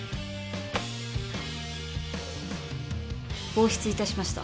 忘失いたしました。